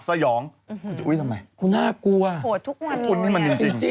โหดทุกวันเลย